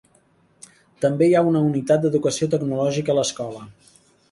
També hi ha una unitat d'educació tecnològica a l'escola.